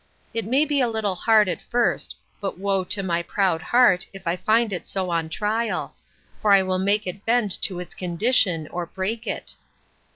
It may be a little hard at first; but woe to my proud heart, if I find it so on trial; for I will make it bend to its condition, or break it.